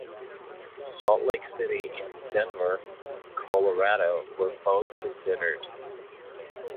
Salt Lake City and Denver, Colorado, were both considered.